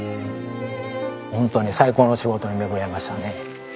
本当に最高の仕事に巡り合いましたね。